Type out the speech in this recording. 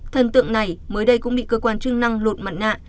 thần tượng này mới đây cũng bị cơ quan chức năng lột mặt nạ